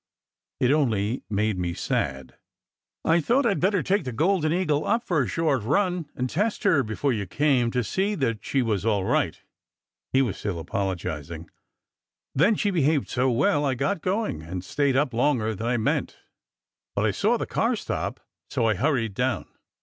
It only made me sad. "I thought I d better take the Golden Eagle up for a short run, and test her before you came, to see that she was all right," he was still apologizing. "Then she be haved so well, I got going, and stayed up longer than I meant. But I saw the car stop, so I hurried down."